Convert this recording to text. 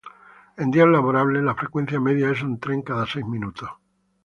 En días laborables la frecuencia media es un tren cada seis minutos.